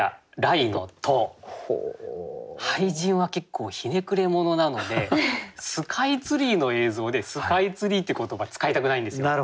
俳人は結構ひねくれ者なのでスカイツリーの映像で「スカイツリー」って言葉使いたくないんですよ。